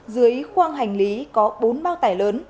dưới khoang hành lý có bốn bao tải lớn